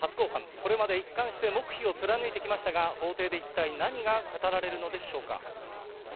これまで一貫して黙秘を貫いてきましたが、法廷で一体何が語られるのでしょうか。